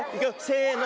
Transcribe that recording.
せの。